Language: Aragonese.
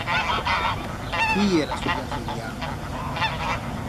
Quí ye la suya filla?